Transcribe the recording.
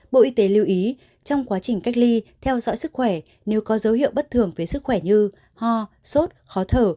bộ y tế lưu ý trong quá trình cách ly theo dõi sức khỏe nếu có dấu hiệu bất thường với sức khỏe như ho sốt khó thở